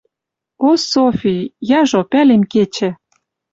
«О, Софи, яжо, пӓлем, кечӹ